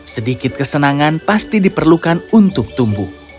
sedikit kesenangan pasti diperlukan untuk tumbuh